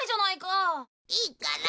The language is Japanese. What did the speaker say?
いいから。